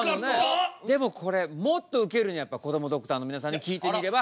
でもこれもっとウケるにはやっぱこどもドクターの皆さんに聞いてみれば。